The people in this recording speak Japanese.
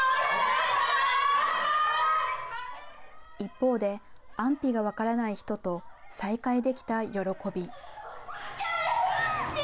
一方で、安否が分からない人と再会できた喜び。